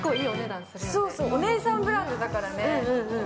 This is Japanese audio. お姉さんブランドだからね。